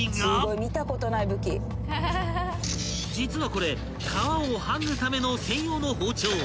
［実はこれ皮を剥ぐための専用の包丁］